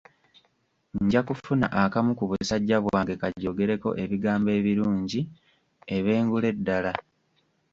Nja kufuna akamu ku busajja bwange kagyogereko ebigambo ebirungi ebe ngule ddala.